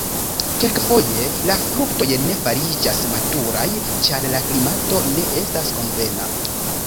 Kelkfoje la fruktoj ne fariĝas maturaj, ĉar la klimato ne estas konvena.